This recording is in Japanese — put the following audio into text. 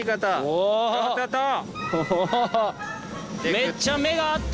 めっちゃ目が合った。